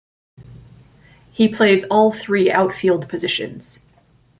He plays all three outfield positions.